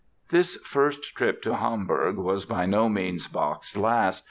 ] This first trip to Hamburg was by no means Bach's last.